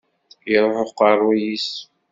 Iruḥ uqerruy-is.